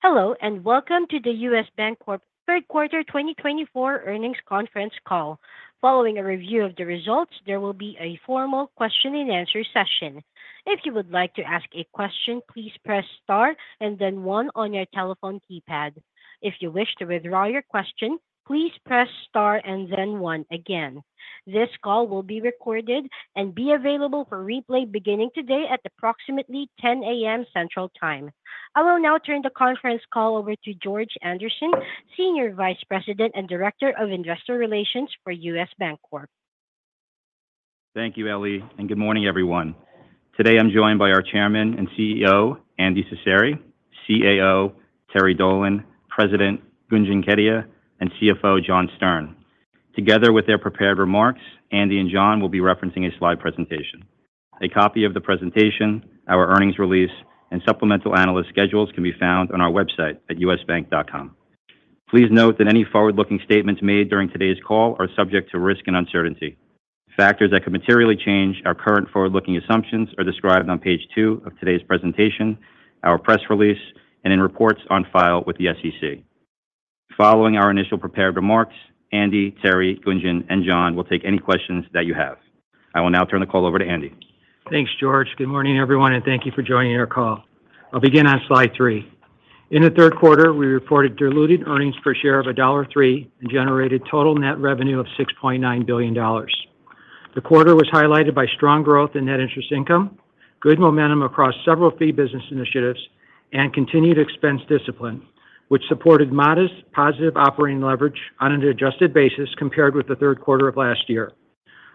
Hello, and welcome to the U.S. Bancorp third quarter 2024 earnings conference call. Following a review of the results, there will be a formal question and answer session. If you would like to ask a question, please press star then one on your telephone keypad. If you wish to withdraw your question, please press star then one again. This call will be recorded and be available for replay beginning today at approximately 10 A.M. Central Time. I will now turn the conference call over to George Andersen, Senior Vice President and Director of Investor Relations for U.S. Bancorp. Thank you, Ellie, and good morning, everyone. Today, I'm joined by our Chairman and CEO, Andy Cecere, CAO, Terry Dolan, President, Gunjan Kedia, and CFO, John Stern. Together with their prepared remarks, Andy and John will be referencing a slide presentation. A copy of the presentation, our earnings release, and supplemental analyst schedules can be found on our website at usbank.com. Please note that any forward-looking statements made during today's call are subject to risk and uncertainty. Factors that could materially change our current forward-looking assumptions are described on page two of today's presentation, our press release, and in reports on file with the SEC. Following our initial prepared remarks, Andy, Terry, Gunjan, and John will take any questions that you have. I will now turn the call over to Andy. Thanks, George. Good morning, everyone, and thank you for joining our call. I'll begin on slide three. In the third quarter, we reported diluted earnings per share of $1.30 and generated total net revenue of $6.9 billion. The quarter was highlighted by strong growth in net interest income, good momentum across several fee business initiatives, and continued expense discipline, which supported modest positive operating leverage on an adjusted basis compared with the third quarter of last year.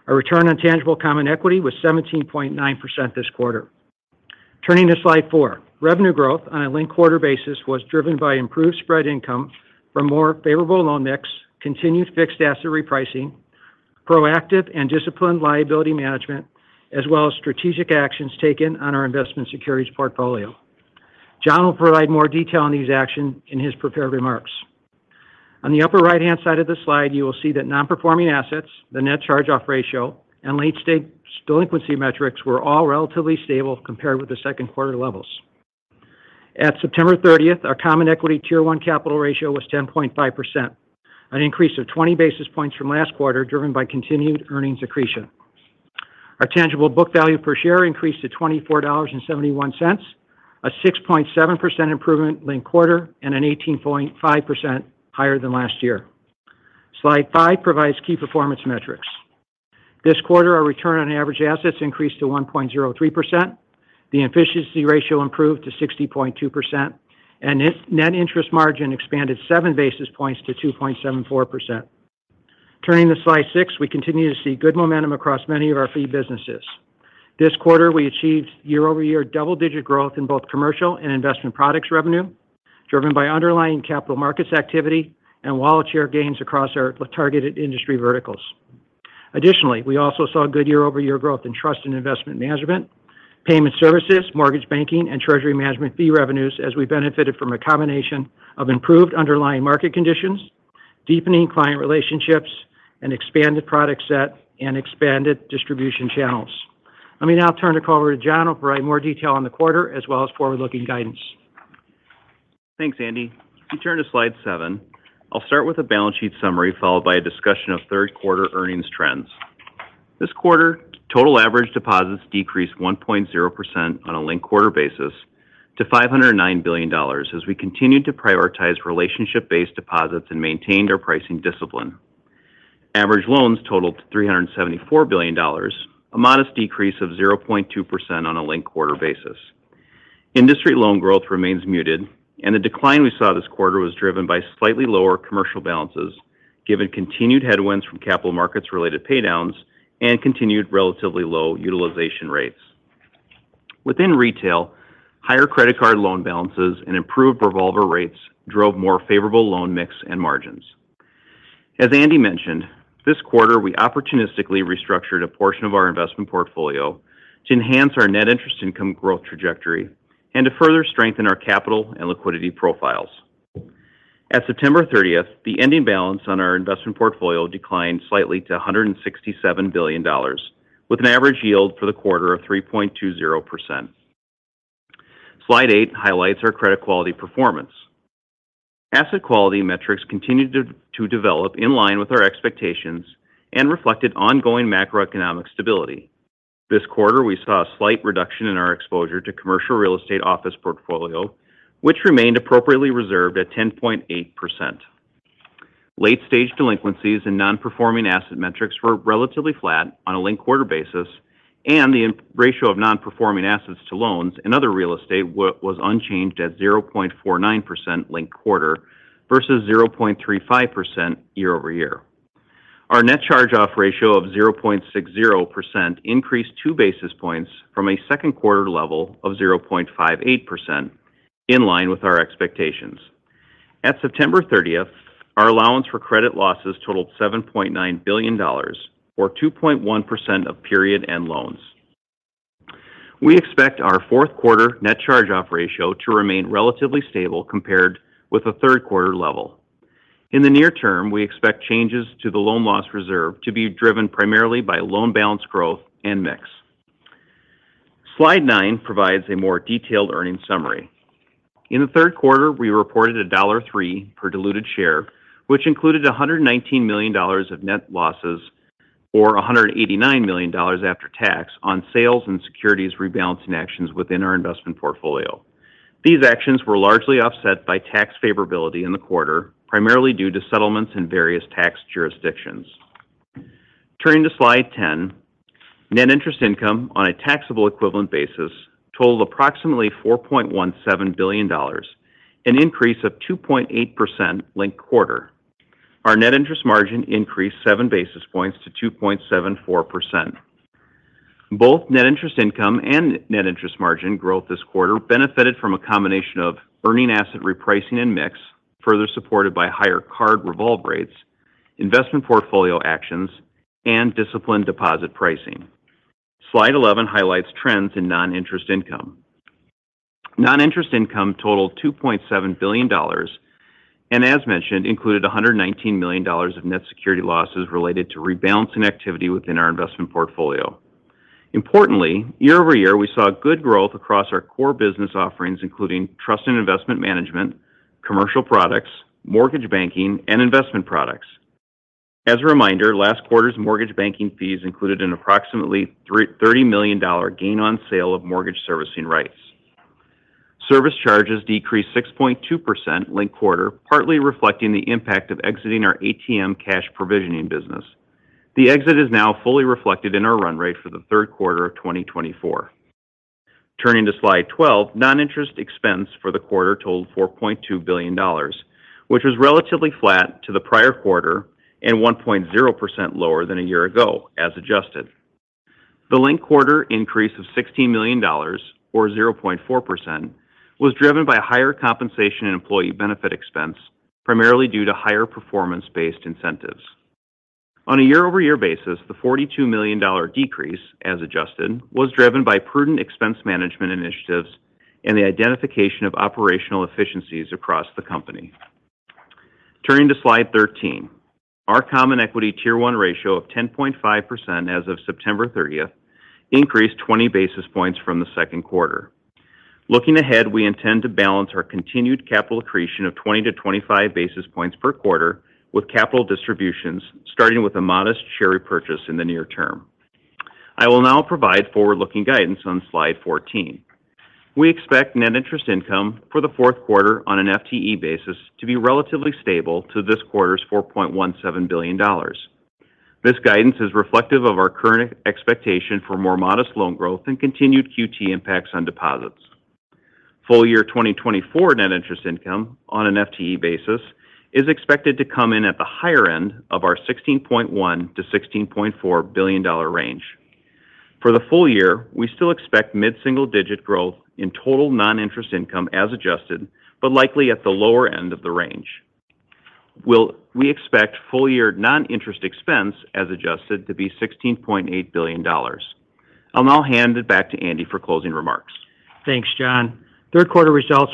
Our return on tangible common equity was 17.9% this quarter. Turning to slide four. Revenue growth on a linked quarter basis was driven by improved spread income from more favorable loan mix, continued fixed asset repricing, proactive and disciplined liability management, as well as strategic actions taken on our investment securities portfolio. John will provide more detail on these actions in his prepared remarks. On the upper right-hand side of the slide, you will see that non-performing assets, the net charge-off ratio, and late-stage delinquency metrics were all relatively stable compared with the second quarter levels. At September 30th, our Common Equity Tier 1 capital ratio was 10.5%, an increase of 20 basis points from last quarter, driven by continued earnings accretion. Our tangible book value per share increased to $24.71, a 6.7% improvement linked quarter and an 18.5% higher than last year. Slide five provides key performance metrics. This quarter, our return on average assets increased to 1.03%, the efficiency ratio improved to 60.2%, and net interest margin expanded 7 basis points to 2.74%. Turning to slide six, we continue to see good momentum across many of our fee businesses. This quarter, we achieved year-over-year double-digit growth in both commercial and investment products revenue, driven by underlying capital markets activity and wallet share gains across our targeted industry verticals. Additionally, we also saw good year-over-year growth in trust and investment management, payment services, mortgage banking, and treasury management fee revenues as we benefited from a combination of improved underlying market conditions, deepening client relationships, and expanded product set and expanded distribution channels. Let me now turn the call over to John, who will provide more detail on the quarter as well as forward-looking guidance. Thanks, Andy. If you turn to slide seven, I'll start with a balance sheet summary, followed by a discussion of third quarter earnings trends. This quarter, total average deposits decreased 1.0% on a linked quarter basis to $509 billion as we continued to prioritize relationship-based deposits and maintained our pricing discipline. Average loans totaled $374 billion, a modest decrease of 0.2% on a linked quarter basis. Industry loan growth remains muted, and the decline we saw this quarter was driven by slightly lower commercial balances, given continued headwinds from capital markets related paydowns and continued relatively low utilization rates. Within retail, higher credit card loan balances and improved revolver rates drove more favorable loan mix and margins. As Andy mentioned, this quarter, we opportunistically restructured a portion of our investment portfolio to enhance our net interest income growth trajectory and to further strengthen our capital and liquidity profiles. At September 30th, the ending balance on our investment portfolio declined slightly to $167 billion, with an average yield for the quarter of 3.20%. Slide eight highlights our credit quality performance. Asset quality metrics continued to develop in line with our expectations and reflected ongoing macroeconomic stability. This quarter, we saw a slight reduction in our exposure to commercial real estate office portfolio, which remained appropriately reserved at 10.8%. Late-stage delinquencies and non-performing asset metrics were relatively flat on a linked-quarter basis, and the ratio of non-performing assets to loans and other real estate was unchanged at 0.49% linked quarter versus 0.35% year over year. Our net charge-off ratio of 0.60% increased two basis points from a second quarter level of 0.58%, in line with our expectations. At September 30th, our allowance for credit losses totaled $7.9 billion or 2.1% of period end loans. We expect our fourth quarter net charge-off ratio to remain relatively stable compared with the third quarter level. In the near term, we expect changes to the loan loss reserve to be driven primarily by loan balance growth and mix. Slide nine provides a more detailed earnings summary. In the third quarter, we reported $1.03 per diluted share, which included $119 million of net losses, or $189 million after tax on sales and securities rebalancing actions within our investment portfolio. These actions were largely offset by tax favorability in the quarter, primarily due to settlements in various tax jurisdictions. Turning to slide 10, net interest income on a taxable equivalent basis totaled approximately $4.17 billion, an increase of 2.8% linked quarter. Our net interest margin increased seven basis points to 2.74%. Both net interest income and net interest margin growth this quarter benefited from a combination of earning asset repricing and mix, further supported by higher card revolve rates, investment portfolio actions, and disciplined deposit pricing. Slide eleven highlights trends in non-interest income. Non-interest income totaled $2.7 billion, and as mentioned, included $119 million of net security losses related to rebalancing activity within our investment portfolio. Importantly, year-over-year, we saw good growth across our core business offerings, including trust and investment management, commercial products, mortgage banking, and investment products. As a reminder, last quarter's mortgage banking fees included an approximately $30 million gain on sale of mortgage servicing rights. Service charges decreased 6.2% linked quarter, partly reflecting the impact of exiting our ATM cash provisioning business. The exit is now fully reflected in our run rate for the third quarter of 2024. Turning to slide 12, non-interest expense for the quarter totaled $4.2 billion, which was relatively flat to the prior quarter and 1.0% lower than a year ago, as adjusted. The linked quarter increase of $16 million, or 0.4%, was driven by higher compensation and employee benefit expense, primarily due to higher performance-based incentives. On a year-over-year basis, the $42 million decrease, as adjusted, was driven by prudent expense management initiatives and the identification of operational efficiencies across the company. Turning to slide 13, our Common Equity Tier 1 ratio of 10.5% as of September 30th increased 20 basis points from the second quarter. Looking ahead, we intend to balance our continued capital accretion of 20-25 basis points per quarter with capital distributions, starting with a modest share repurchase in the near term. I will now provide forward-looking guidance on slide 14. We expect net interest income for the fourth quarter on an FTE basis to be relatively stable to this quarter's $4.17 billion. This guidance is reflective of our current expectation for more modest loan growth and continued QT impacts on deposits. Full-year 2024 net interest income on an FTE basis is expected to come in at the higher end of our $16.1 billion-$16.4 billion range. For the full year, we still expect mid-single-digit growth in total non-interest income, as adjusted, but likely at the lower end of the range. We expect full-year non-interest expense, as adjusted, to be $16.8 billion. I'll now hand it back to Andy for closing remarks. Thanks, John. Third quarter results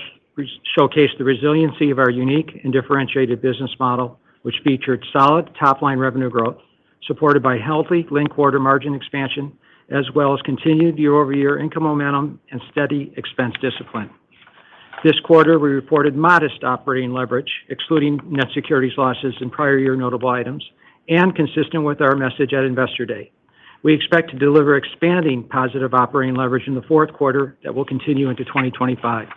showcase the resiliency of our unique and differentiated business model, which featured solid top-line revenue growth, supported by healthy linked quarter margin expansion, as well as continued year-over-year income momentum and steady expense discipline. This quarter, we reported modest operating leverage, excluding net securities losses and prior year notable items, and consistent with our message at Investor Day. We expect to deliver expanding positive operating leverage in the fourth quarter that will continue into 2025.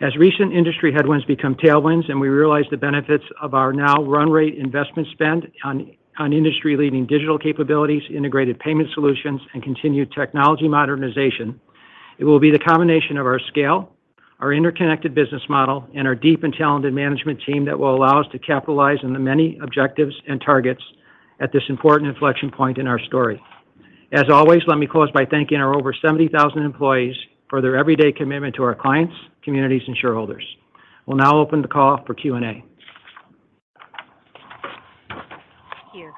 As recent industry headwinds become tailwinds, and we realize the benefits of our now run rate investment spend on industry-leading digital capabilities, integrated payment solutions, and continued technology modernization, it will be the combination of our scale, our interconnected business model, and our deep and talented management team that will allow us to capitalize on the many objectives and targets at this important inflection point in our story. As always, let me close by thanking our over 70,000 employees for their everyday commitment to our clients, communities, and shareholders. We'll now open the call for Q&A. Thank you.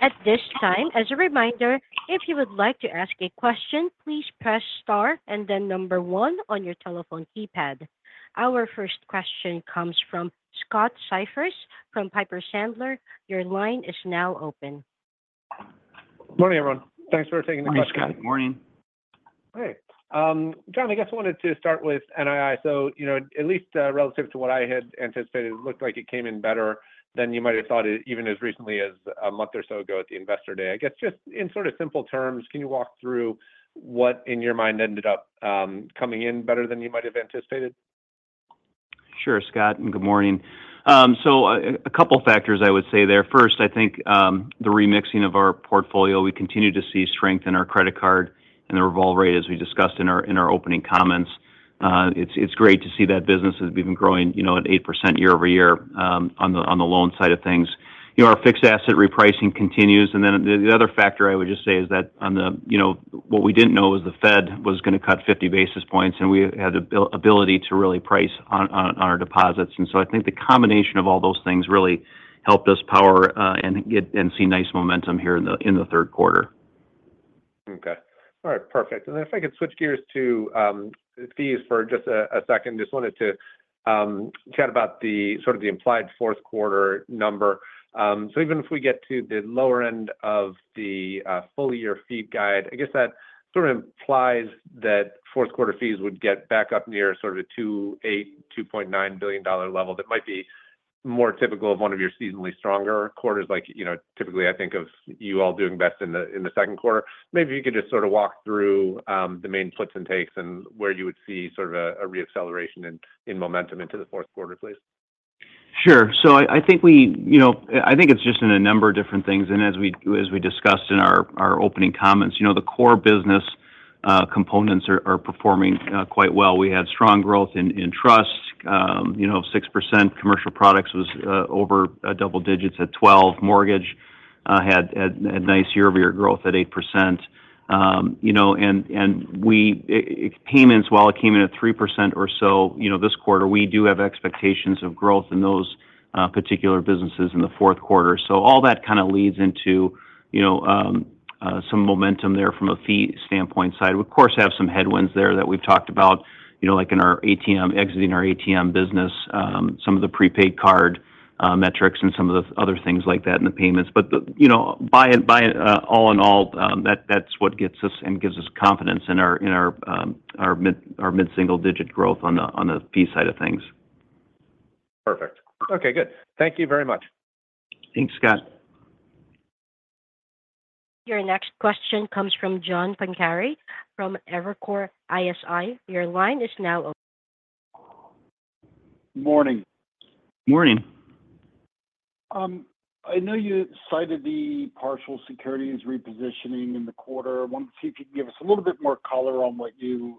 At this time, as a reminder, if you would like to ask a question, please press star and then number one on your telephone keypad. Our first question comes from Scott Siefers from Piper Sandler. Your line is now open. Morning, everyone. Thanks for taking the question. Hi, Scott. Good morning. Hey. John, I guess I wanted to start with NII. So, you know, at least relative to what I had anticipated, it looked like it came in better than you might have thought, even as recently as a month or so ago at the Investor Day. I guess, just in sort of simple terms, can you walk through what, in your mind, ended up coming in better than you might have anticipated? Sure, Scott, and good morning. So a couple factors I would say there. First, I think, the remixing of our portfolio, we continue to see strength in our credit card and the revolve rate, as we discussed in our opening comments. It's great to see that business has been growing, you know, at 8% year over year, on the loan side of things. You know, our fixed asset repricing continues, and then the other factor I would just say is that on the, you know, what we didn't know was the Fed was gonna cut 50 basis points, and we had the ability to really price on our deposits. And so I think the combination of all those things really helped us power and get and see nice momentum here in the third quarter. Okay. All right, perfect. And then if I could switch gears to fees for just a second. Just wanted to chat about sort of the implied fourth quarter number. So even if we get to the lower end of the full-year fee guide, I guess that sort of implies that fourth quarter fees would get back up near sort of $2.8 billion-$2.9 billion level that might be more typical of one of your seasonally stronger quarters, like, you know, typically, I think of you all doing best in the second quarter. Maybe you could just sort of walk through the main flips and takes and where you would see sort of a re-acceleration in momentum into the fourth quarter, please. Sure. So I think we, you know, I think it's just in a number of different things, and as we discussed in our opening comments, you know, the core business components are performing quite well. We had strong growth in trust. You know, 6% commercial products was over double digits at 12%. Mortgage had a nice year-over-year growth at 8%. You know, and payments, while it came in at 3% or so, you know, this quarter, we do have expectations of growth in those particular businesses in the fourth quarter. So all that kind of leads into, you know, some momentum there from a fee standpoint side. We, of course, have some headwinds there that we've talked about, you know, like in our ATM, exiting our ATM business, some of the prepaid card metrics, and some of the other things like that in the payments. But, you know, by and by, all in all, that's what gets us and gives us confidence in our mid-single-digit growth on the fee side of things. Perfect. Okay, good. Thank you very much. Thanks, Scott. Your next question comes from John Pancari from Evercore ISI. Your line is now open. Morning. Morning. I know you cited the partial securities repositioning in the quarter. I want to see if you could give us a little bit more color on what you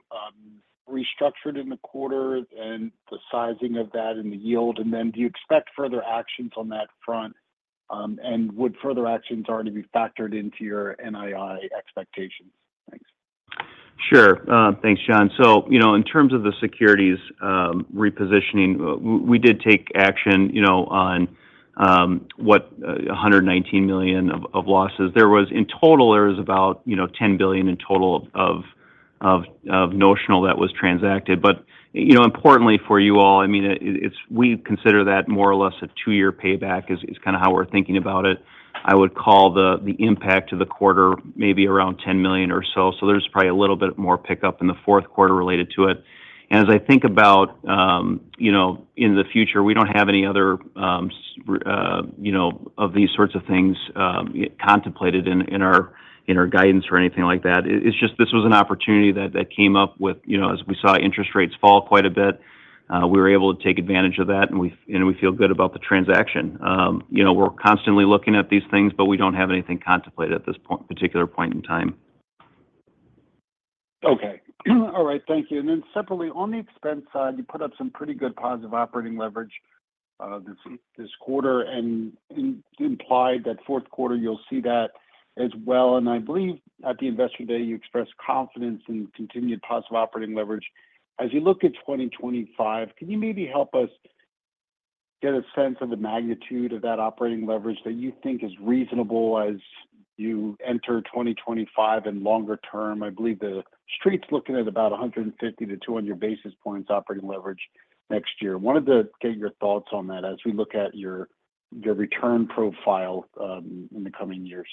restructured in the quarter and the sizing of that and the yield. And then, do you expect further actions on that front? And would further actions already be factored into your NII expectations? Thanks. Sure. Thanks, John. So, you know, in terms of the securities repositioning, we did take action, you know, on what $119 million of losses. There was in total there was about, you know, $10 billion in total of notional that was transacted. But, you know, importantly for you all, I mean, it's we consider that more or less a two-year payback is kind of how we're thinking about it. I would call the impact to the quarter maybe around $10 million or so. So there's probably a little bit more pickup in the fourth quarter related to it. And as I think about, you know, in the future, we don't have any other, you know, of these sorts of things contemplated in our guidance or anything like that. It's just this was an opportunity that came up with, you know, as we saw interest rates fall quite a bit. We were able to take advantage of that, and we feel good about the transaction. You know, we're constantly looking at these things, but we don't have anything contemplated at this particular point in time. Okay. All right, thank you. And then separately, on the expense side, you put up some pretty good positive operating leverage this quarter, and implied that fourth quarter, you'll see that as well. And I believe at the Investor Day, you expressed confidence in continued positive operating leverage. As you look at 2025, can you maybe help us get a sense of the magnitude of that operating leverage that you think is reasonable as you enter 2025 and longer term? I believe the Street's looking at about 150-200 basis points operating leverage next year. Wanted to get your thoughts on that as we look at your return profile in the coming years.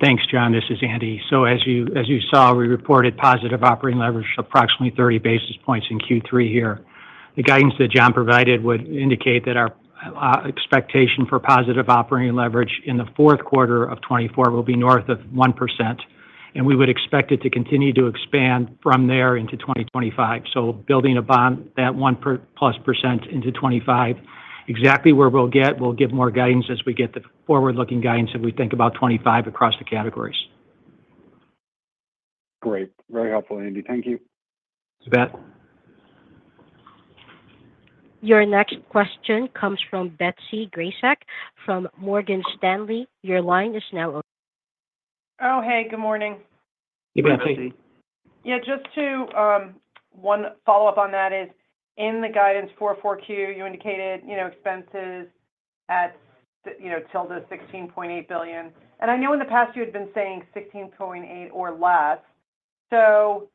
Thanks, John. This is Andy. So as you saw, we reported positive operating leverage, approximately 30 basis points in Q3 here. The guidance that John provided would indicate that our expectation for positive operating leverage in the fourth quarter of 2024 will be north of 1%, and we would expect it to continue to expand from there into 2025. So building upon that 1% plus into 2025. Exactly where we'll get, we'll give more guidance as we get the forward-looking guidance as we think about 2025 across the categories. Great. Very helpful, Andy. Thank you. You bet. Your next question comes from Betsy Graseck from Morgan Stanley. Your line is now open. Oh, hey, good morning. Hey, Betsy. Yeah, just to, one follow-up on that is, in the guidance for 4Q, you indicated, you know, expenses at, you know, ~$16.8 billion. And I know in the past you had been saying $16.8 billion or less. So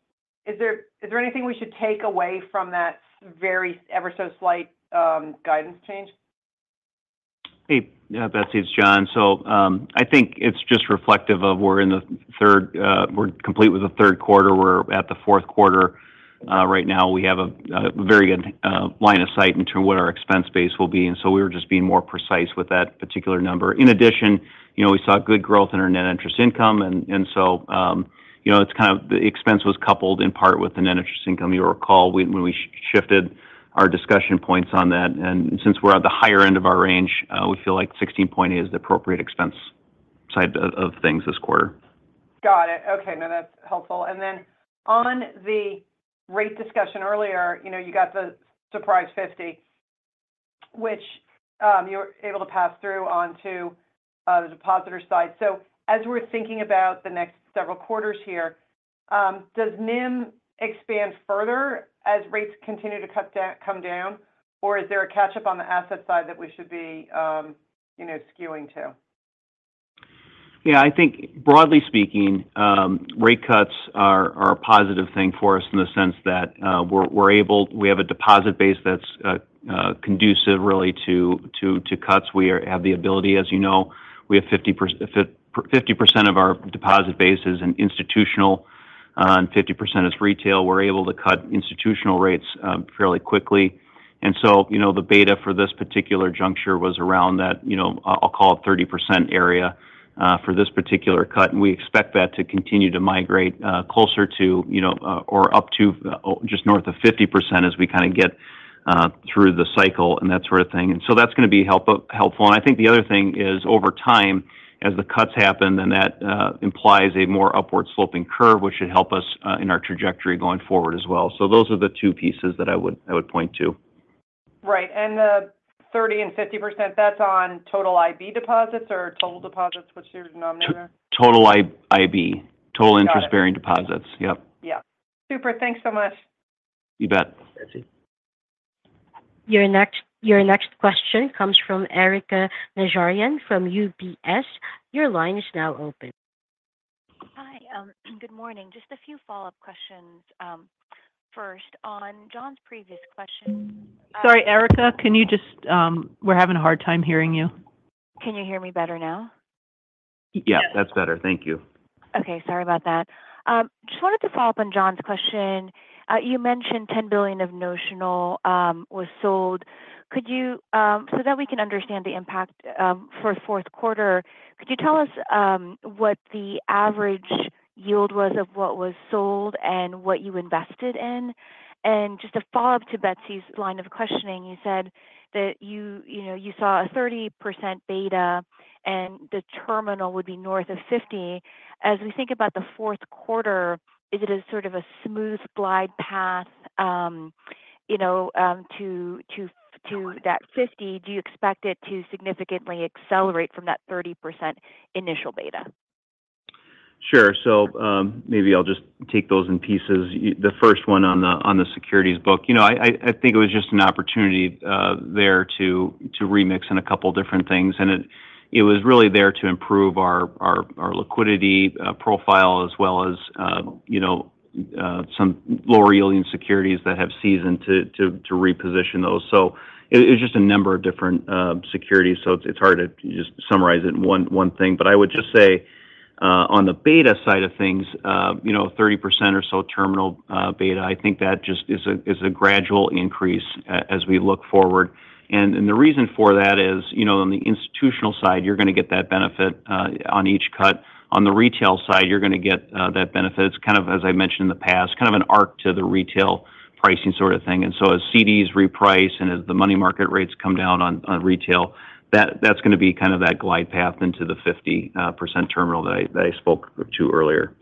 is there, is there anything we should take away from that very ever so slight, guidance change? Hey, Betsy, it's John. So, I think it's just reflective of we're in the third, we're complete with the third quarter. We're at the fourth quarter. Right now, we have a very good line of sight into what our expense base will be, and so we were just being more precise with that particular number. In addition, you know, we saw good growth in our net interest income, and so, you know, it's kind of the expense was coupled in part with the net interest income. You'll recall when we shifted our discussion points on that, and since we're at the higher end of our range, we feel like $16.8 billion is the appropriate expense side of things this quarter. Got it. Okay, now that's helpful. And then on the rate discussion earlier, you know, you got the surprise 50%, which, you're able to pass through on to, the depositor side. So as we're thinking about the next several quarters here, does NIM expand further as rates continue to cut down, come down? Or is there a catch-up on the asset side that we should be, you know, skewing to? Yeah, I think broadly speaking, rate cuts are a positive thing for us in the sense that we're able, we have a deposit base that's conducive really to cuts. We have the ability, as you know, we have 50% of our deposit base is in institutional, and 50% is retail. We're able to cut institutional rates fairly quickly. And so, you know, the beta for this particular juncture was around that, you know, I'll call it 30% area for this particular cut. And we expect that to continue to migrate closer to, you know, or up to just north of 50% as we kind of get through the cycle and that sort of thing. And so that's going to be helpful. And I think the other thing is, over time, as the cuts happen, then that implies a more upward sloping curve, which should help us in our trajectory going forward as well. So those are the two pieces that I would point to. Right. And the 30% and 50%, that's on total IB deposits or total deposits, what's your denominator? Total IB. Got it. Total interest-bearing deposits. Yep. Yeah. Super. Thanks so much. You bet. Betsy. Your next question comes from Erika Najarian from UBS. Your line is now open. Hi, good morning. Just a few follow-up questions. First, on John's previous question Sorry, Erika, can you just, we're having a hard time hearing you. Can you hear me better now? Yeah, that's better. Thank you. Okay. Sorry about that. Just wanted to follow up on John's question. You mentioned 10 billion of notional was sold. Could you, so that we can understand the impact for fourth quarter, could you tell us what the average yield was of what was sold and what you invested in? And just to follow up to Betsy's line of questioning, you said that you, you know, saw a 30% beta, and the terminal would be north of 50%. As we think about the fourth quarter, is it a sort of a smooth glide path, you know, to that 50%? Do you expect it to significantly accelerate from that 30% initial beta? Sure. So, maybe I'll just take those in pieces. The first one on the, on the securities book. You know, I think it was just an opportunity there to remix in a couple different things, and it was really there to improve our liquidity profile, as well as, you know, some lower-yielding securities that have seasoned to reposition those. So it's just a number of different securities, so it's hard to just summarize it in one thing. But I would just say, on the beta side of things, you know, 30% or so terminal beta, I think that just is a gradual increase as we look forward. The reason for that is, you know, on the institutional side, you're going to get that benefit on each cut. On the retail side, you're going to get that benefit. It's kind of, as I mentioned in the past, kind of an arc to the retail pricing sort of thing. And so as CDs reprice and as the money market rates come down on retail, that's going to be kind of that glide path into the 50% terminal that I spoke to earlier.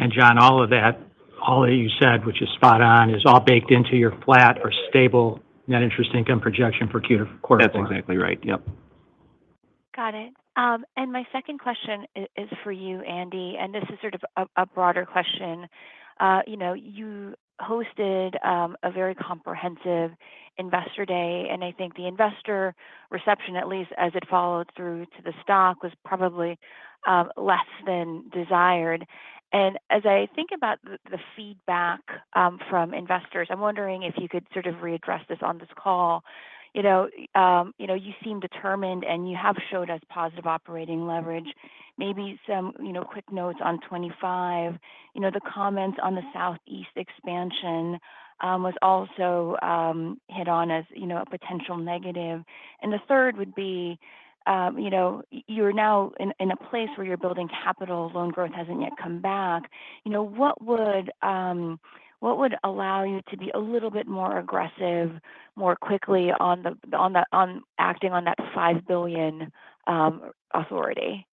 And John, all of that, all that you said, which is spot on, is all baked into your flat or stable net interest income projection for quarter four. That's exactly right. Yep. Got it. And my second question is for you, Andy, and this is sort of a broader question. You know, you hosted a very comprehensive Investor Day, and I think the investor reception, at least as it followed through to the stock, was probably less than desired. And as I think about the feedback from investors, I'm wondering if you could sort of readdress this on this call. You know, you seem determined, and you have showed us positive operating leverage. Maybe some quick notes on 2025. You know, the comments on the Southeast expansion was also hit on as a potential negative. And the third would be, you know, you're now in a place where you're building capital. Loan growth hasn't yet come back. You know, what would allow you to be a little bit more aggressive, more quickly on acting on that $5 billion authority?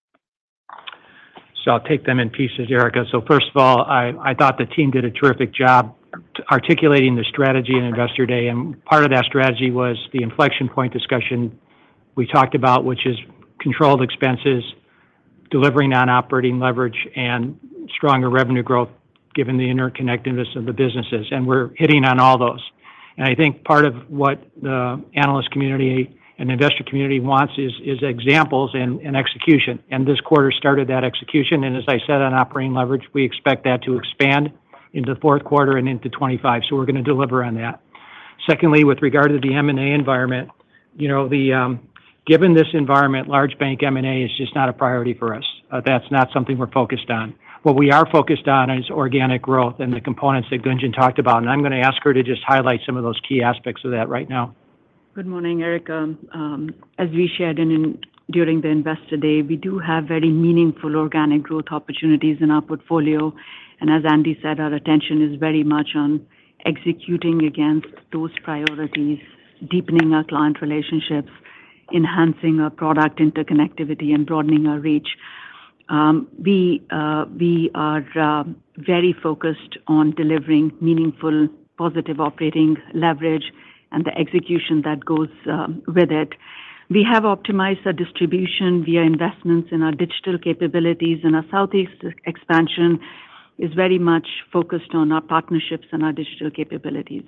So I'll take them in pieces, Erika. So first of all, I, I thought the team did a terrific job articulating the strategy in Investor Day, and part of that strategy was the inflection point discussion we talked about, which is controlled expenses, delivering on operating leverage, and stronger revenue growth, given the interconnectedness of the businesses, and we're hitting on all those. And I think part of what the analyst community and investor community wants is, is examples and, and execution, and this quarter started that execution. And as I said, on operating leverage, we expect that to expand into the fourth quarter and into 2025, so we're going to deliver on that. Secondly, with regard to the M&A environment, you know, given this environment, large bank M&A is just not a priority for us. That's not something we're focused on. What we are focused on is organic growth and the components that Gunjan talked about, and I'm going to ask her to just highlight some of those key aspects of that right now. Good morning, Erika. As we shared in, during the Investor Day, we do have very meaningful organic growth opportunities in our portfolio, and as Andy said, our attention is very much on executing against those priorities, deepening our client relationships, enhancing our product interconnectivity, and broadening our reach. We are very focused on delivering meaningful, positive operating leverage and the execution that goes with it. We have optimized our distribution via investments in our digital capabilities, and our Southeast expansion is very much focused on our partnerships and our digital capabilities.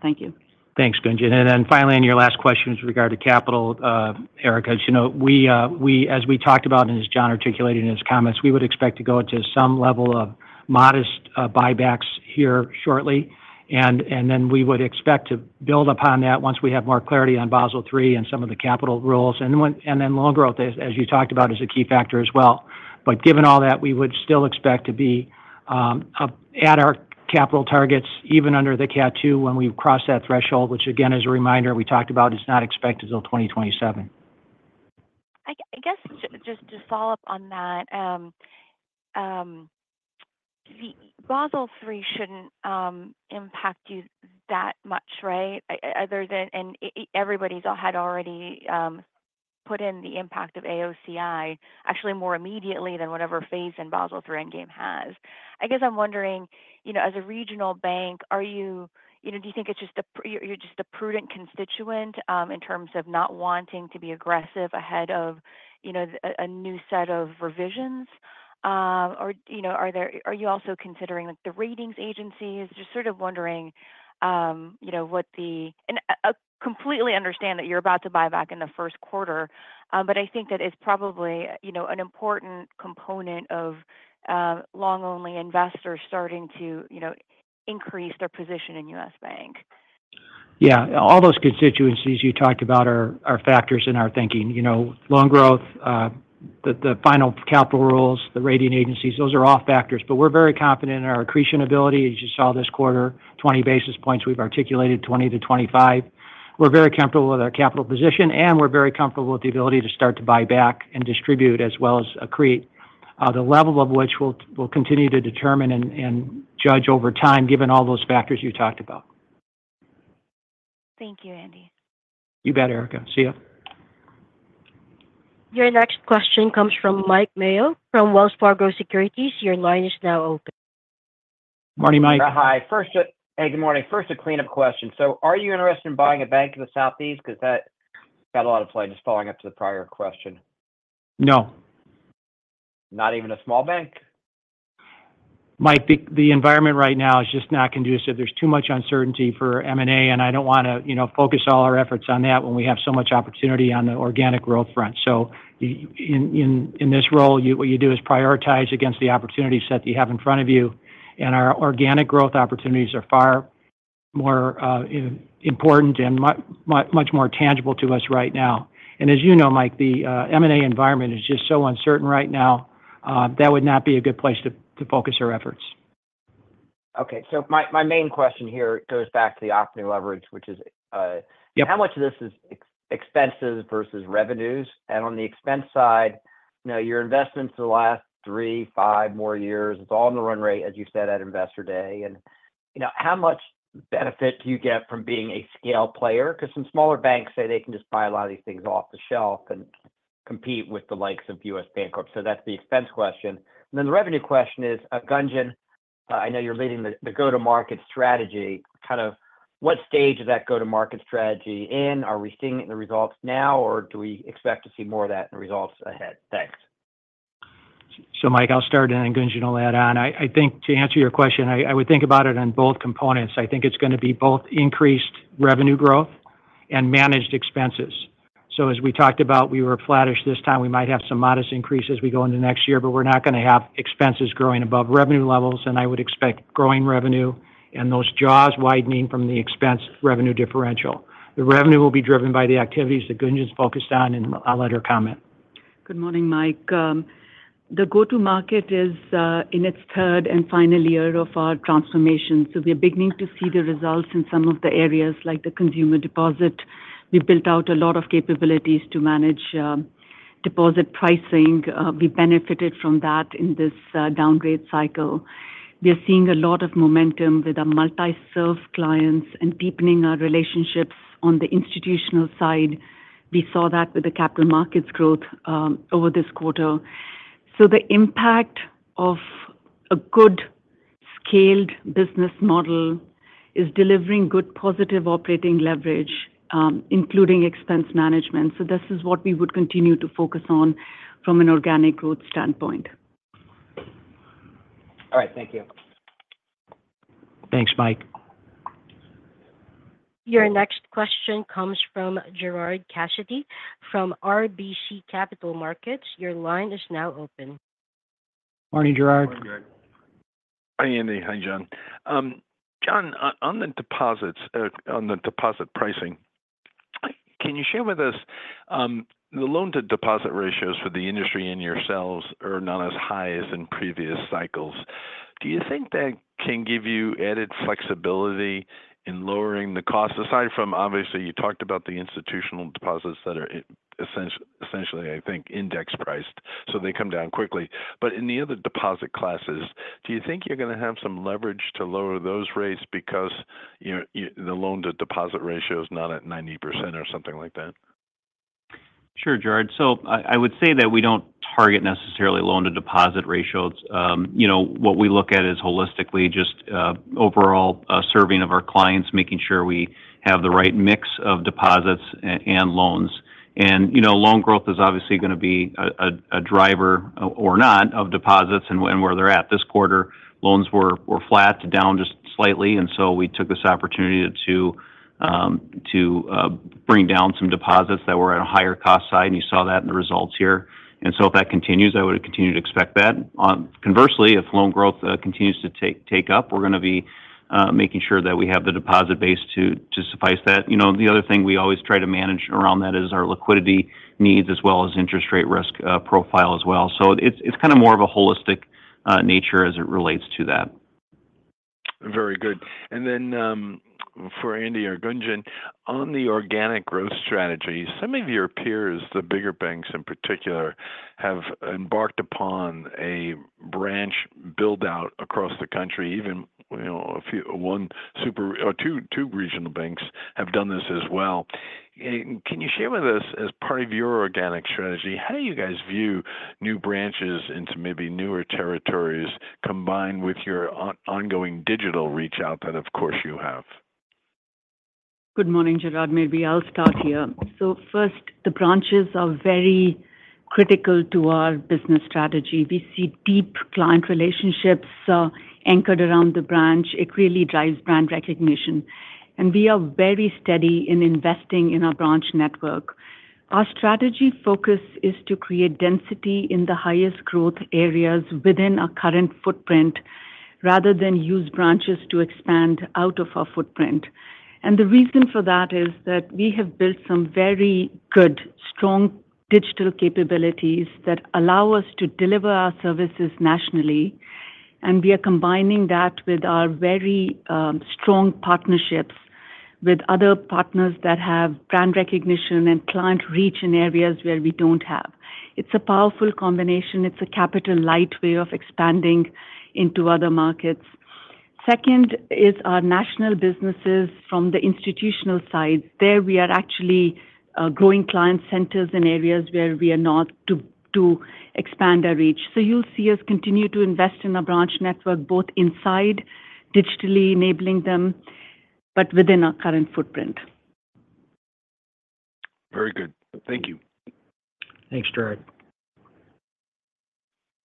Thank you. Thanks, Gunjan. And then finally, on your last question with regard to capital, Erika, as you know, we as we talked about and as John articulated in his comments, we would expect to go to some level of modest buybacks here shortly. And then we would expect to build upon that once we have more clarity on Basel III and some of the capital rules. And then loan growth, as you talked about, is a key factor as well. But given all that, we would still expect to be up at our capital targets, even under the Cat 2 when we've crossed that threshold, which again, as a reminder, we talked about, is not expected till 2027. I guess just to follow up on that, the Basel III shouldn't impact you that much, right? Other than and everybody's already put in the impact of AOCI, actually more immediately than whatever phase in Basel III Endgame has. I guess I'm wondering, you know, as a regional bank, are you, you know, do you think it's just a, you're just a prudent constituent in terms of not wanting to be aggressive ahead of, you know, a new set of revisions? Or, you know, are you also considering, like, the ratings agencies? Just sort of wondering, you know, what the, and I completely understand that you're about to buy back in the first quarter, but I think that it's probably, you know, an important component of long-only investors starting to, you know, increase their position in U.S. Bank. Yeah, all those constituencies you talked about are factors in our thinking. You know, loan growth, the final capital rules, the rating agencies, those are all factors. But we're very confident in our accretion ability. As you saw this quarter, 20 basis points. We've articulated 20 to 25. We're very comfortable with our capital position, and we're very comfortable with the ability to start to buy back and distribute, as well as accrete, the level of which we'll continue to determine and judge over time, given all those factors you talked about. Thank you, Andy. You bet, Erika. See ya. Your next question comes from Mike Mayo from Wells Fargo Securities. Your line is now open. Morning, Mike. Hi. First, Hey, good morning. First, a cleanup question. So are you interested in buying a bank in the Southeast? Because that got a lot of play, just following up to the prior question. No. Not even a small bank? Mike, the environment right now is just not conducive. There's too much uncertainty for M&A, and I don't want to, you know, focus all our efforts on that when we have so much opportunity on the organic growth front, so in this role, what you do is prioritize against the opportunity set that you have in front of you, and our organic growth opportunities are far more important and much more tangible to us right now, and as you know, Mike, the M&A environment is just so uncertain right now that would not be a good place to focus our efforts. Okay, so my main question here goes back to the operating leverage, which is, how much of this is expenses versus revenues? And on the expense side, you know, your investments for the last three, five more years, it's all in the run rate, as you said at Investor Day. And, you know, how much benefit do you get from being a scale player? Because some smaller banks say they can just buy a lot of these things off the shelf and compete with the likes of U.S. Bancorp. So that's the expense question. And then the revenue question is, Gunjan, I know you're leading the go-to-market strategy. Kind of what stage is that go-to-market strategy in? Are we seeing the results now, or do we expect to see more of that in the results ahead? Thanks. So Mike, I'll start, and then Gunjan will add on. I think to answer your question, I would think about it on both components. I think it's going to be both increased revenue growth and managed expenses. So as we talked about, we were flattish this time. We might have some modest increases as we go into next year, but we're not going to have expenses growing above revenue levels, and I would expect growing revenue and those jaws widening from the expense revenue differential. The revenue will be driven by the activities that Gunjan's focused on, and I'll let her comment. Good morning, Mike. The go-to-market is in its third and final year of our transformation, so we are beginning to see the results in some of the areas, like the consumer deposit. We've built out a lot of capabilities to manage deposit pricing. We benefited from that in this downgrade cycle. We are seeing a lot of momentum with our multi-serve clients and deepening our relationships on the institutional side. We saw that with the capital markets growth over this quarter. So the impact of a good, scaled business model is delivering good, positive operating leverage, including expense management. So this is what we would continue to focus on from an organic growth standpoint. All right. Thank you. Thanks, Mike. Your next question comes from Gerard Cassidy from RBC Capital Markets. Your line is now open. Morning, Gerard. Morning, Gerard. Hi, Andy. Hi, John. John, on the deposits, on the deposit pricing, I can you share with us, the loan-to-deposit ratios for the industry and yourselves are not as high as in previous cycles. Do you think that can give you added flexibility in lowering the costs, aside from obviously, you talked about the institutional deposits that are essentially, I think, index priced, so they come down quickly. But in the other deposit classes, do you think you're going to have some leverage to lower those rates because, you know, the loan-to-deposit ratio is not at 90% or something like that? Sure, Gerard. So I would say that we don't target necessarily loan-to-deposit ratios. You know, what we look at is holistically just overall serving of our clients, making sure we have the right mix of deposits and loans. And, you know, loan growth is obviously going to be a driver, or not, of deposits and where they're at. This quarter, loans were flat to down just slightly, and so we took this opportunity to bring down some deposits that were at a higher cost side, and you saw that in the results here. And so if that continues, I would continue to expect that. On conversely, if loan growth continues to take up, we're going to be making sure that we have the deposit base to suffice that. You know, the other thing we always try to manage around that is our liquidity needs as well as interest rate risk, profile as well. So it's kind of more of a holistic nature as it relates to that. Very good. And then, for Andy or Gunjan, on the organic growth strategy, some of your peers, the bigger banks in particular, have embarked upon a branch build-out across the country. Even, you know, a few, one or two regional banks have done this as well. Can you share with us, as part of your organic strategy, how do you guys view new branches into maybe newer territories, combined with your ongoing digital outreach that of course you have? Good morning, Gerard. Maybe I'll start here. So first, the branches are very critical to our business strategy. We see deep client relationships are anchored around the branch. It really drives brand recognition, and we are very steady in investing in our branch network. Our strategy focus is to create density in the highest growth areas within our current footprint rather than use branches to expand out of our footprint. And the reason for that is that we have built some very good, strong digital capabilities that allow us to deliver our services nationally, and we are combining that with our very, strong partnerships with other partners that have brand recognition and client reach in areas where we don't have. It's a powerful combination. It's a capital-light way of expanding into other markets. Second is our national businesses from the institutional side. There, we are actually growing client centers in areas where we are not to expand our reach. So you'll see us continue to invest in our branch network, both inside, digitally enabling them, but within our current footprint. Very good. Thank you. Thanks, Gerard.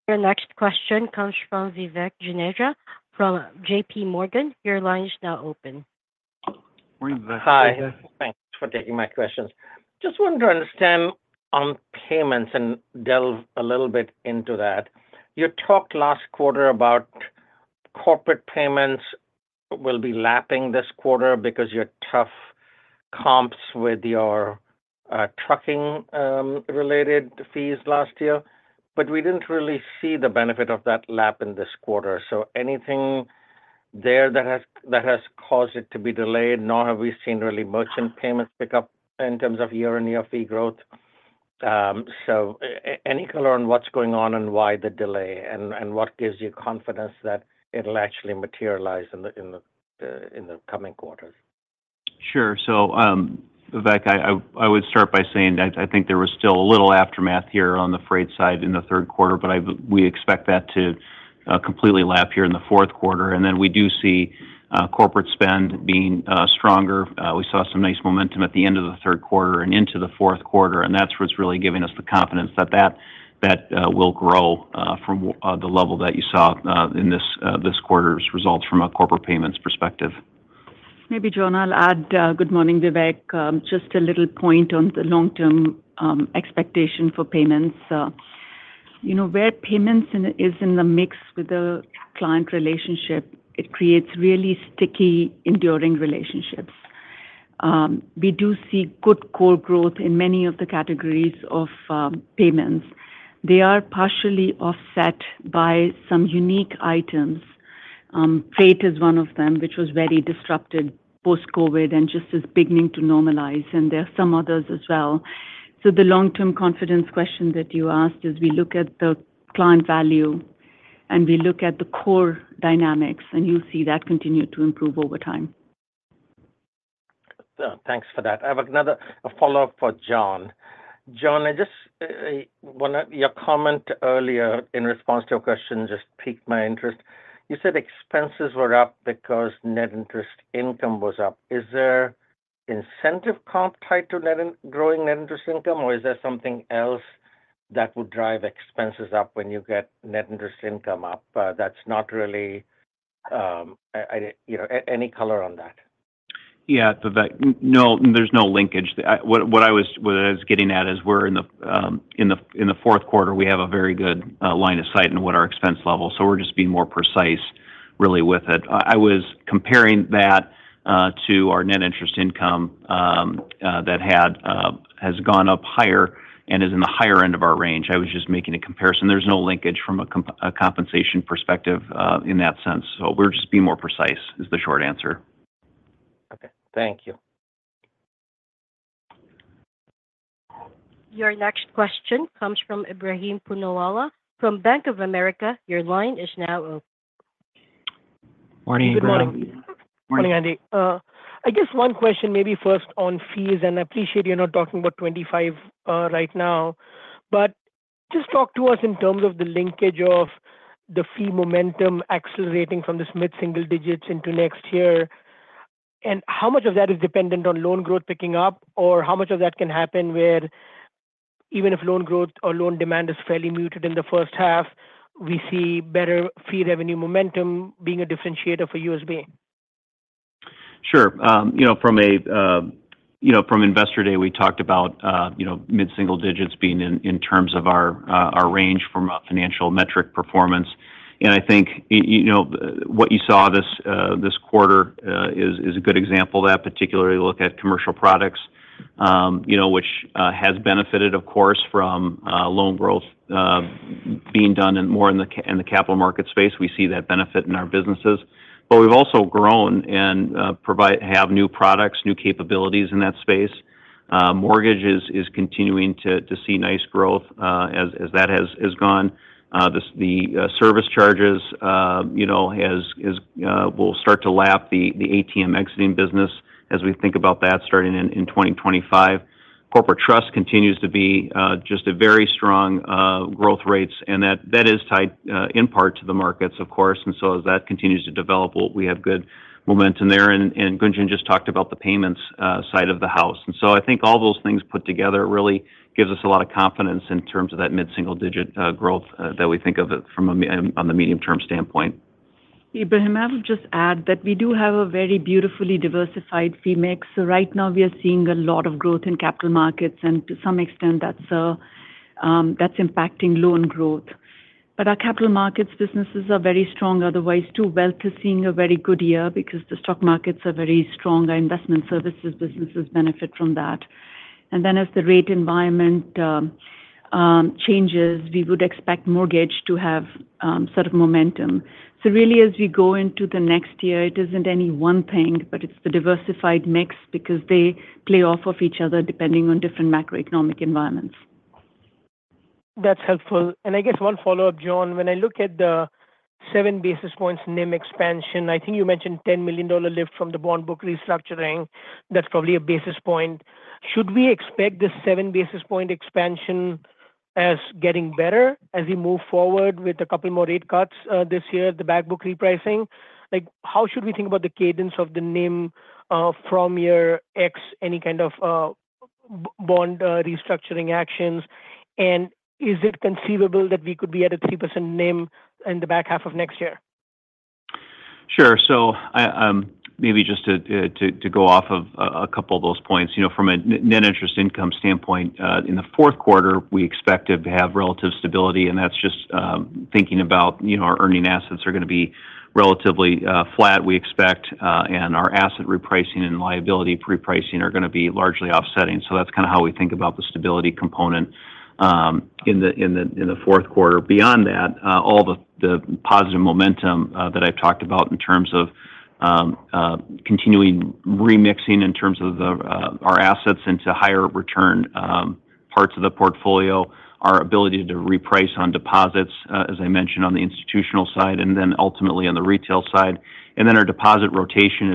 Your next question comes from Vivek Juneja from JPMorgan. Your line is now open. Hi. Thanks for taking my questions. Just wanted to understand on payments and delve a little bit into that. You talked last quarter about corporate payments will be lapping this quarter because your tough comps with your trucking related fees last year, but we didn't really see the benefit of that lap in this quarter. So anything there that has caused it to be delayed? Nor have we seen really merchant payments pick up in terms of year-on-year fee growth. So any color on what's going on and why the delay, and what gives you confidence that it'll actually materialize in the coming quarters? Sure. So, Vivek, I would start by saying that I think there was still a little aftermath here on the freight side in the third quarter, but we expect that to completely lap here in the fourth quarter. And then we do see corporate spend being stronger. We saw some nice momentum at the end of the third quarter and into the fourth quarter, and that's what's really giving us the confidence that that will grow from the level that you saw in this quarter's results from a corporate payments perspective. Maybe, John, I'll add. Good morning, Vivek. Just a little point on the long-term expectation for payments. You know, where payments in is in the mix with the client relationship, it creates really sticky, enduring relationships. We do see good core growth in many of the categories of payments. They are partially offset by some unique items. Freight is one of them, which was very disrupted post-COVID and just is beginning to normalize, and there are some others as well. So the long-term confidence question that you asked is, we look at the client value, and we look at the core dynamics, and you'll see that continue to improve over time. Thanks for that. I have another follow-up for John. John, your comment earlier in response to a question just piqued my interest. You said expenses were up because net interest income was up. Is there incentive comp tied to growing net interest income, or is there something else that would drive expenses up when you get net interest income up? That's not really, you know, any color on that? Yeah, Vivek. No, there's no linkage. What I was getting at is we're in the fourth quarter, we have a very good line of sight in what our expense level. So we're just being more precise really with it. I was comparing that to our net interest income that has gone up higher and is in the higher end of our range. I was just making a comparison. There's no linkage from a compensation perspective, in that sense. So we're just being more precise, is the short answer. Okay. Thank you. Your next question comes from Ebrahim Poonawala from Bank of America. Your line is now open. Morning, Ebrahim. Morning, Andy. I guess one question maybe first on fees, and I appreciate you're not talking about 2025 right now. But just talk to us in terms of the linkage of the fee momentum accelerating from this mid-single digits into next year, and how much of that is dependent on loan growth picking up? Or how much of that can happen where even if loan growth or loan demand is fairly muted in the first half, we see better fee revenue momentum being a differentiator for USB? Sure. You know, from a, you know, from Investor Day, we talked about, you know, mid-single digits being in terms of our, our range from a financial metric performance. And I think, you know, what you saw this, this quarter, is a good example of that, particularly look at commercial products, you know, which, has benefited, of course, from, loan growth, being done more in the capital market space. We see that benefit in our businesses. But we've also grown and have new products, new capabilities in that space. Mortgages is continuing to see nice growth, as that has gone. The service charges, you know, has, is, will start to lap the ATM exiting business as we think about that starting in 2025. Corporate trust continues to be just a very strong growth rates, and that is tied in part to the markets, of course, and so as that continues to develop, we have good momentum there, and Gunjan just talked about the payments side of the house, and so I think all those things put together really gives us a lot of confidence in terms of that mid-single digit growth that we think of it from a medium-term standpoint. Ebrahim, I would just add that we do have a very beautifully diversified fee mix. So right now, we are seeing a lot of growth in capital markets, and to some extent that's impacting loan growth. But our capital markets businesses are very strong otherwise too. Wealth is seeing a very good year because the stock markets are very strong. Our investment services businesses benefit from that. And then as the rate environment changes, we would expect mortgage to have sort of momentum. So really, as we go into the next year, it isn't any one thing, but it's the diversified mix because they play off of each other depending on different macroeconomic environments. That's helpful. And I guess one follow-up, John. When I look at the seven basis points NIM expansion, I think you mentioned $10 million lift from the bond book restructuring. That's probably a basis point. Should we expect this seven basis point expansion as getting better as we move forward with a couple more rate cuts this year, the back book repricing? Like, how should we think about the cadence of the NIM from your perspective, any kind of bond restructuring actions? And is it conceivable that we could be at a 3% NIM in the back half of next year? Sure, so I maybe just to go off of a couple of those points. You know, from a net interest income standpoint, in the fourth quarter, we expected to have relative stability, and that's just thinking about, you know, our earning assets are going to be relatively flat, we expect, and our asset repricing and liability repricing are going to be largely offsetting, so that's kind of how we think about the stability component in the fourth quarter. Beyond that, all the positive momentum that I've talked about in terms of continuing remixing in terms of our assets into higher return parts of the portfolio, our ability to reprice on deposits, as I mentioned, on the institutional side, and then ultimately on the retail side. And then our deposit rotation,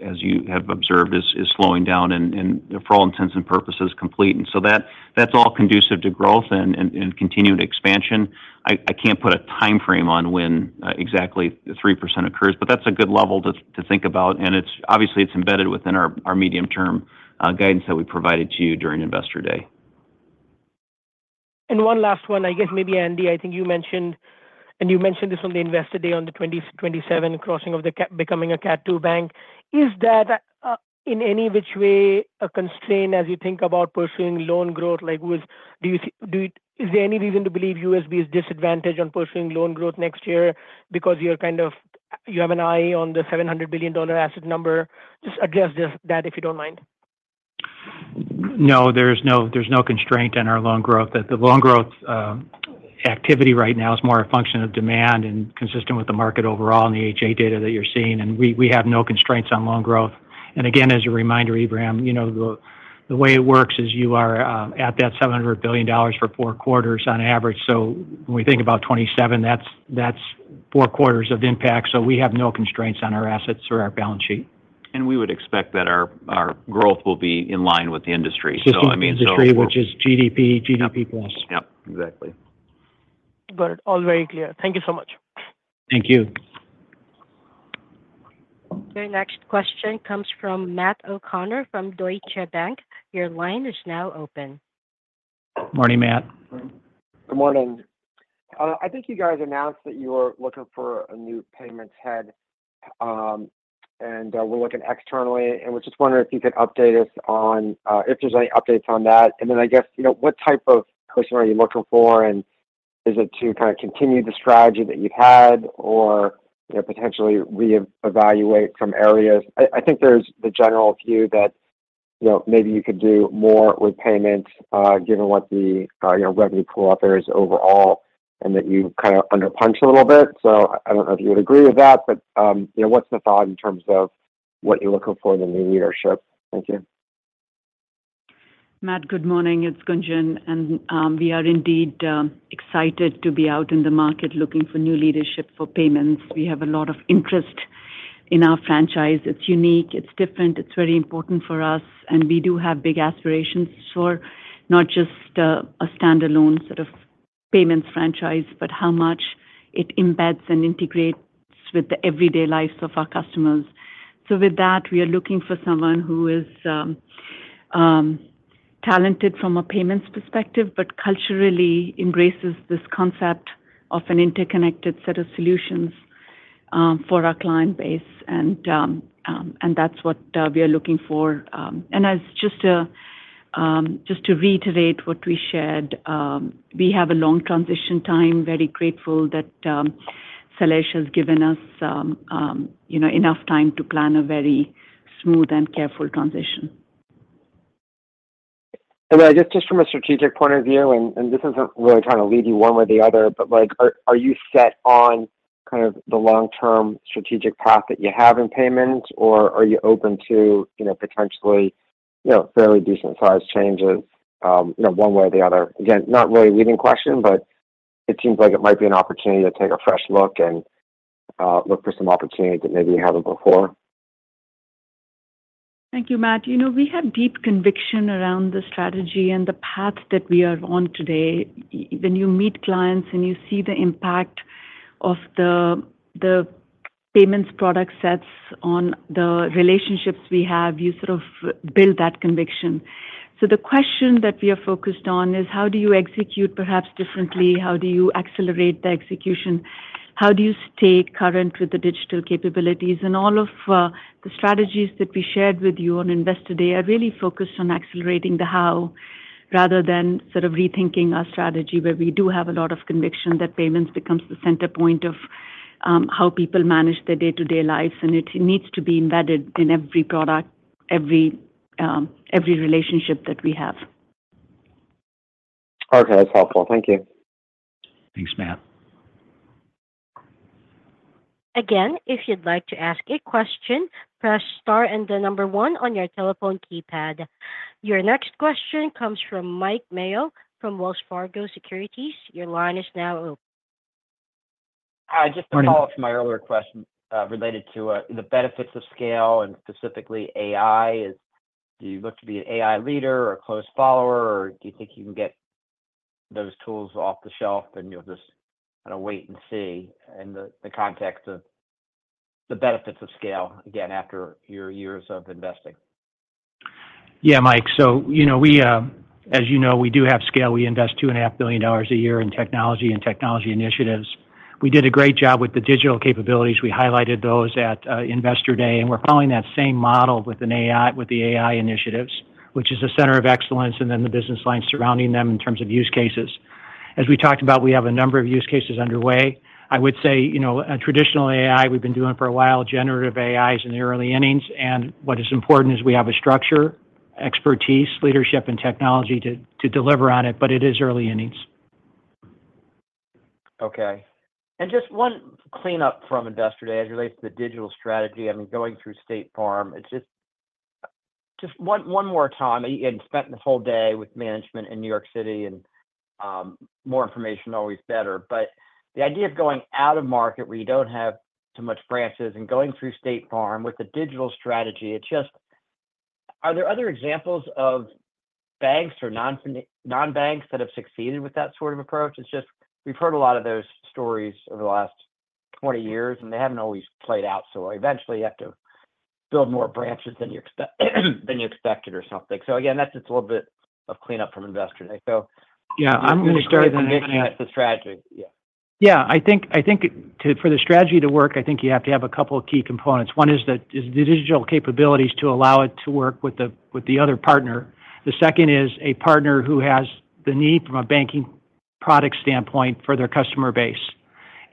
as you have observed, is slowing down and for all intents and purposes complete. And so that's all conducive to growth and continued expansion. I can't put a time frame on when exactly the 3% occurs, but that's a good level to think about, and it's obviously embedded within our medium-term guidance that we provided to you during Investor Day. One last one. I guess maybe, Andy, I think you mentioned, and you mentioned this on the Investor Day on the 2027 crossing of the Cat 2 becoming a Cat 2 bank. Is that, in any which way, a constraint as you think about pursuing loan growth? Like, with, is there any reason to believe USB is disadvantaged on pursuing loan growth next year because you're kind of, you have an eye on the $700 billion asset number? Just address this, that, if you don't mind. No, there's no constraint on our loan growth. The loan growth activity right now is more a function of demand and consistent with the market overall and the H.8 data that you're seeing, and we have no constraints on loan growth. And again, as a reminder, Ebrahim, you know, the way it works is you are at that $700 billion for four quarters on average. So when we think about 2027, that's four quarters of impact, so we have no constraints on our assets or our balance sheet. We would expect that our growth will be in line with the industry. So I mean. Which is GDP, GDP plus. Yep, exactly. Got it. All very clear. Thank you so much. Thank you. Your next question comes from Matt O'Connor, from Deutsche Bank. Your line is now open. Morning, Matt. Good morning. I think you guys announced that you are looking for a new payments head, and we're looking externally, and we're just wondering if you could update us on if there's any updates on that. And then I guess, you know, what type of person are you looking for, and is it to kind of continue the strategy that you've had or, you know, potentially reevaluate some areas? I think there's the general view that, you know, maybe you could do more with payments, given what the, you know, revenue pool out there is overall, and that you kind of under punched a little bit. So I don't know if you would agree with that, but, you know, what's the thought in terms of what you're looking for in the new leadership? Thank you. Matt, good morning, it's Gunjan, and we are indeed excited to be out in the market looking for new leadership for payments. We have a lot of interest in our franchise. It's unique, it's different, it's very important for us, and we do have big aspirations for not just a standalone sort of payments franchise, but how much it embeds and integrates with the everyday lives of our customers. So with that, we are looking for someone who is talented from a payments perspective, but culturally embraces this concept of an interconnected set of solutions for our client base. And and that's what we are looking for. And as just to reiterate what we shared, we have a long transition time. Very grateful that, Shailesh has given us, you know, enough time to plan a very smooth and careful transition. And I guess just from a strategic point of view, and this isn't really trying to lead you one way or the other, but, like, are you set on kind of the long-term strategic path that you have in payments? Or are you open to, you know, potentially, you know, fairly decent-sized changes, you know, one way or the other? Again, not really a leading question, but it seems like it might be an opportunity to take a fresh look and look for some opportunities that maybe you haven't before. Thank you, Matt. You know, we have deep conviction around the strategy and the path that we are on today. When you meet clients and you see the impact of the payments product sets on the relationships we have, you sort of build that conviction. So the question that we are focused on is how do you execute perhaps differently? How do you accelerate the execution? How do you stay current with the digital capabilities? And all of the strategies that we shared with you on Investor Day are really focused on accelerating the how, rather than sort of rethinking our strategy, where we do have a lot of conviction that payments becomes the center point of how people manage their day-to-day lives, and it needs to be embedded in every product, every relationship that we have. Okay, that's helpful. Thank you. Thanks, Matt. Again, if you'd like to ask a question, press star and the number one on your telephone keypad. Your next question comes from Mike Mayo from Wells Fargo Securities. Your line is now open. Hi, just to follow up to my earlier question, related to the benefits of scale and specifically AI. Do you look to be an AI leader or a close follower, or do you think you can get those tools off the shelf, and you'll just kind of wait and see in the context of the benefits of scale, again, after your years of investing? Yeah, Mike. So you know, we, as you know, we do have scale. We invest $2.5 billion a year in technology and technology initiatives. We did a great job with the digital capabilities. We highlighted those at Investor Day, and we're following that same model with the AI initiatives, which is a center of excellence and then the business lines surrounding them in terms of use cases. As we talked about, we have a number of use cases underway. I would say, you know, on traditional AI, we've been doing it for a while. Generative AI is in the early innings, and what is important is we have a structure, expertise, leadership, and technology to deliver on it, but it is early innings. Okay. And just one cleanup from Investor Day as it relates to the digital strategy. I mean, going through State Farm, it's just, just one, one more time, and spent the whole day with management in New York City, and, more information always better. But the idea of going out of market, where you don't have too much branches and going through State Farm with the digital strategy, it's just, are there other examples of banks or non-banks that have succeeded with that sort of approach? It's just, we've heard a lot of those stories over the last 20 years, and they haven't always played out so well. Eventually, you have to build more branches than you expected or something. So again, that's just a little bit of cleanup from Investor Day. Yeah, I'm going to start. That's the strategy, yeah. Yeah, I think, I think to, for the strategy to work, I think you have to have a couple of key components. One is the, the digital capabilities to allow it to work with the, with the other partner. The second is a partner who has the need from a banking product standpoint for their customer base,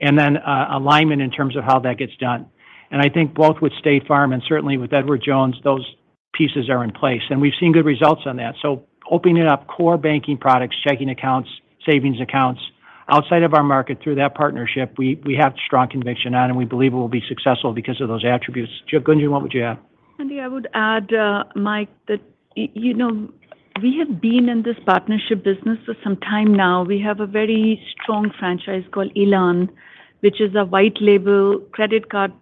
and then, alignment in terms of how that gets done. And I think both with State Farm and certainly with Edward Jones, those pieces are in place, and we've seen good results on that. So opening up core banking products, checking accounts, savings accounts, outside of our market through that partnership, we, we have strong conviction on, and we believe it will be successful because of those attributes. Gunjan, what would you add? Andy, I would add, Mike, that you know, we have been in this partnership business for some time now. We have a very strong franchise called Elan, which is a white label credit card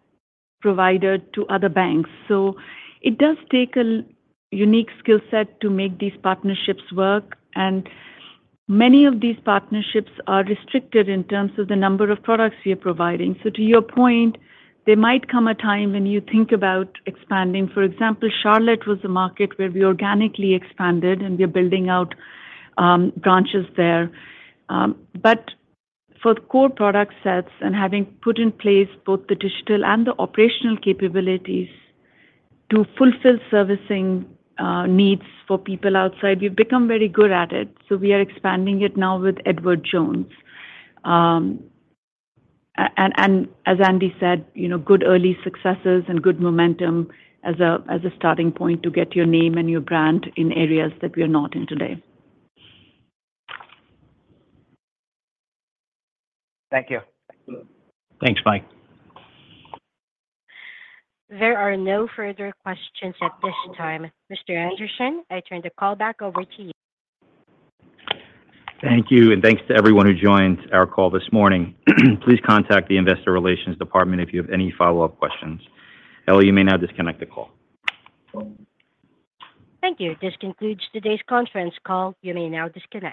provider to other banks. So it does take a unique skill set to make these partnerships work, and many of these partnerships are restricted in terms of the number of products we are providing. So to your point, there might come a time when you think about expanding. For example, Charlotte was a market where we organically expanded, and we are building out branches there. For core product sets and having put in place both the digital and the operational capabilities to fulfill servicing needs for people outside, we've become very good at it, so we are expanding it now with Edward Jones. And as Andy said, you know, good early successes and good momentum as a starting point to get your name and your brand in areas that we are not in today. Thank you. Thanks, Mike. There are no further questions at this time. Mr. Andersen, I turn the call back over to you. Thank you, and thanks to everyone who joined our call this morning. Please contact the investor relations department if you have any follow-up questions. Ellie, you may now disconnect the call. Thank you. This concludes today's conference call. You may now disconnect.